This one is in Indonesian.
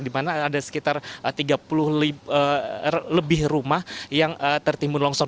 di mana ada sekitar tiga puluh lebih rumah yang tertimbun longsor